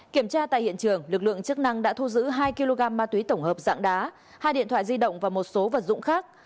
kiểm tra tại hiện trường lực lượng chức năng đã thu giữ hai kg ma túy tổng hợp dạng đá hai điện thoại di động và một số vật dụng khác